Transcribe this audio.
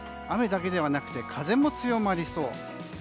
雨だけではなくて風も強まりそう。